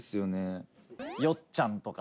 宮田：よっちゃんとか。